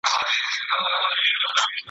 له سینې څخه یې ویني بهېدلې `